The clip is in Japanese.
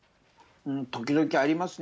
時々ありますね。